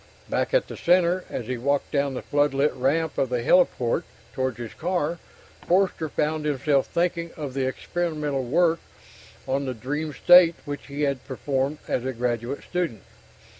Back at the Center, as he walked down the floodlit ramp of the heliport towards his car, Forster found himself thinking of the experimental work on the dream state which he had performed as a graduate student.